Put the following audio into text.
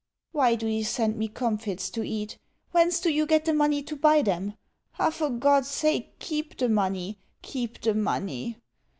Why do you send me comfits to eat? Whence do you get the money to buy them? Ah, for God's sake keep the money, keep the money.